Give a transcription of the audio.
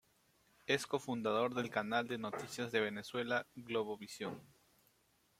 Es cofundador del canal de noticias de Venezuela, Globovisión.